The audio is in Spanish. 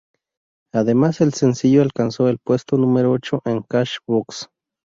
Además el sencillo alcanzó el puesto número ocho en "Cash Box".